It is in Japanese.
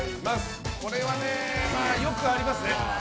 これはよくありますね。